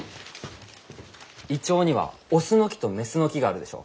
イチョウには雄の木と雌の木があるでしょ？